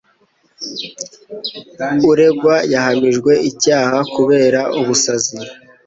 Uregwa yahamijwe icyaha kubera ubusazi